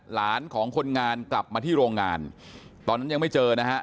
หลานของคนงานกลับมาที่โรงงานตอนนั้นยังไม่เจอนะฮะ